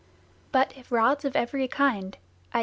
But if rods of every kind (i.e.